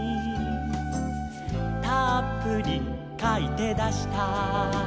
「たっぷりかいてだした」